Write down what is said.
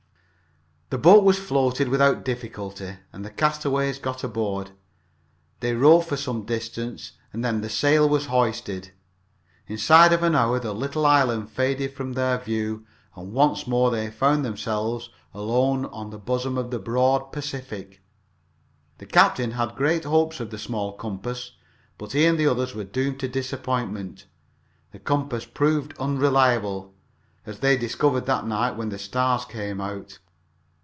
The boat was floated without difficulty, and the castaways got aboard. They rowed for some distance and then the sail was hoisted. Inside of an hour the little, island faded from their view and once more they found themselves alone on the bosom of the broad Pacific. The captain had great hopes of the small compass, but he and the others were doomed to disappointment. The compass proved unreliable, as they discovered that night, when the stars came out.